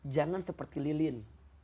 jangan seperti lilin